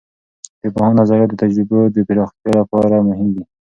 د پوهاند نظریات د تجربو د پراختیا لپاره مهم دي.